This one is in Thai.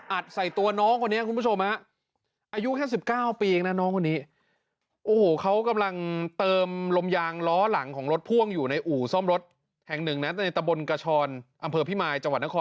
อัดใส่ตัวน้องคนนี้คุณผู้ชมอ่ะ